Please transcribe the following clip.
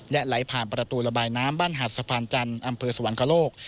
และไหลผ่านประตูระบายน้ำบ้านหัดสะพานจันทร์อำเภอสวรรคโลก